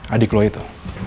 adik lo itu